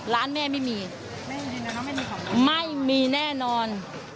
ร้านแม่ไม่มีไม่มีไม่มีแน่นอน